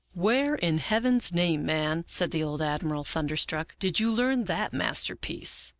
"' Where in Heaven's name, man,' said the old Admiral, thunderstruck, 'did you learn that masterpiece?'